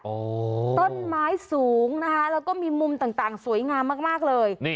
โอ้โหต้นไม้สูงนะคะแล้วก็มีมุมต่างสวยงามมากเลย